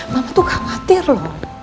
mama tuh khawatir loh